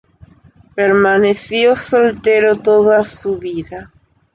Permaneció soltero toda su vida.